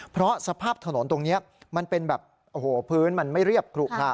เพราะสภาพถนนตรงนี้มันเป็นแบบโอ้โหพื้นมันไม่เรียบขลุคละ